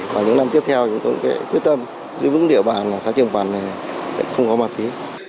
và những năm tiếp theo chúng tôi cũng quyết tâm giữ vững địa bàn xã trường bằn sẽ không có ma tuy